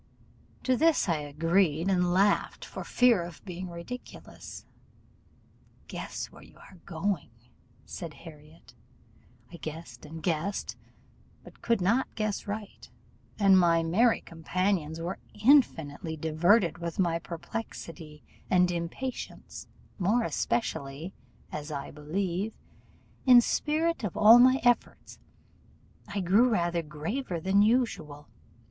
To this I agreed, and laughed for fear of being ridiculous. 'Guess where you are going,' said Harriot, I guessed and guessed, but could not guess right; and my merry companions were infinitely diverted with my perplexity and impatience, more especially as, I believe, in spite of all my efforts, I grew rather graver than usual.